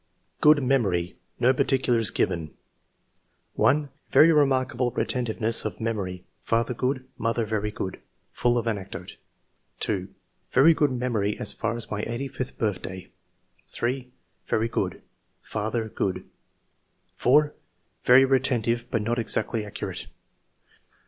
Good memory, no particulars given. 1. "Very remarkable retentiveness of memory. . ''Father — Good. Mother — ^Very good, full of anecdote." 2. ''Very good memory as far as my 85th birthday." 3. " Very good. " Father— Good" 4. " Very retentive, but not exactly accurate.